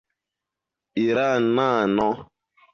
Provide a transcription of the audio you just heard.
iranano